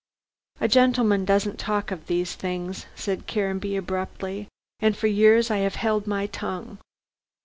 "A gentleman doesn't talk of these things," said Caranby abruptly, "and for years I have held my tongue.